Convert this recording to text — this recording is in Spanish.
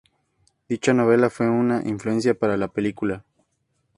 Dicha novela fue una influencia para la película.